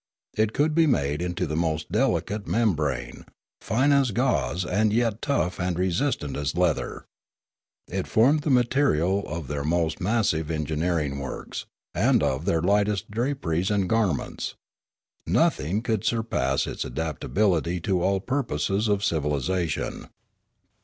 It could be made into the most delicate membrane, fine as gauze and yet tough and resistent as leather. It formed the material of their most massive engineering works, and of their lightest draperies and garments. Nothing could sur pass its adaptability to all purposes of civilisation.